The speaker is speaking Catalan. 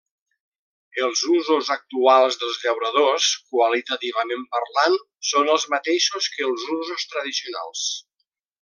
Els usos actuals dels llauradors, qualitativament parlant, són els mateixos que els usos tradicionals.